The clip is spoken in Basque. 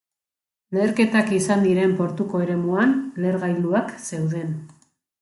Leherketak izan diren portuko eremuan, lehergailuak zeuden.